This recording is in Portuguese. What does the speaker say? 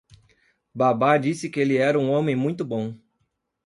Baba disse que ele era um homem muito bom.